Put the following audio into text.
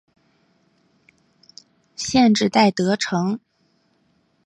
县治戴德城。